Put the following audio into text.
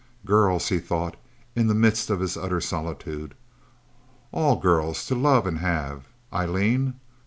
Girls, he thought, in the midst of his utter solitude. All girls, to love and have ... Eileen?